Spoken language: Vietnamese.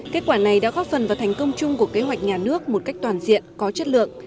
kết quả này đã góp phần vào thành công chung của kế hoạch nhà nước một cách toàn diện có chất lượng